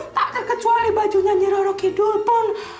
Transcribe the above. takkan kecuali bajunya nyiroro kidul pun